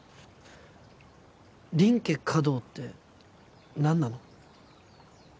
林家華道って何なの？